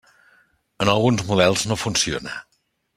En alguns models no funciona.